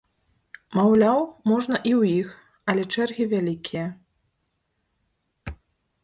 Маўляў, можна і ў іх, але чэргі вялікія.